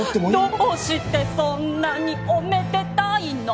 どうしてそんなにおめでたいの？